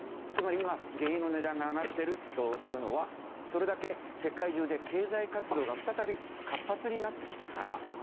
つまり今原油の値段が上がってるというのはそれだけ世界中で経済活動が再び活発になってきたから。